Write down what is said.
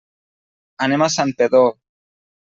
Anem a Santpedor.